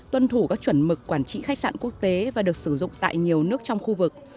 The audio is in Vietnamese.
tuân thủ các chuẩn mực quản trị khách sạn quốc tế và được sử dụng tại nhiều nước trong khu vực